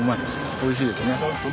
おいしいですね。